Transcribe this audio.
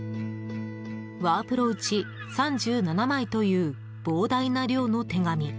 ワープロ打ち３７枚という膨大な量の手紙。